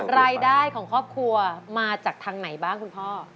รายได้ของครอบครัวมาจากทางไหนบ้างคุณพ่อ